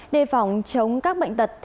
đề phòng chống các bệnh tật